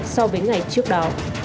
so với ngày trước đó